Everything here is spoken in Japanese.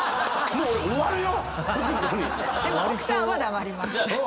でも奥さんは黙ります。